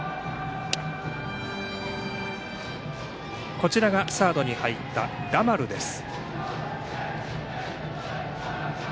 こちらがサードに入ったラマルです。